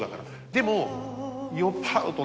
でも。